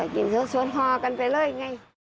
กินสดหอกันไปเลยไง